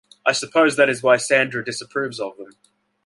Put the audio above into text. I suppose that is why Sandra disapproves of them.